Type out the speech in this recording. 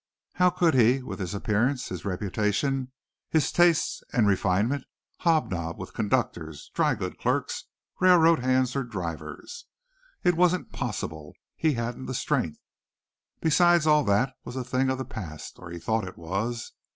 How could he, with his appearance, his reputation, his tastes and refinement, hobnob with conductors, drygoods clerks, railroad hands or drivers? It wasn't possible he hadn't the strength. Besides all that was a thing of the past, or he thought it was.